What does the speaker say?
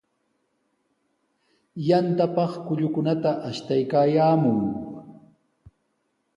Yantapaq kullukunata ashtaykaayaamun.